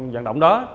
vận động đó